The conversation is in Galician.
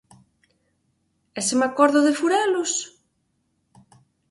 ¿E se me acordo de Furelos?